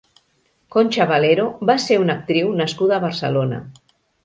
Concha Valero va ser una actriu nascuda a Barcelona.